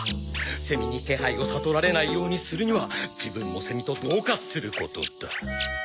セミに気配を悟られないようにするには自分もセミと同化することだ。